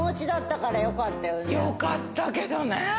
よかったけどね。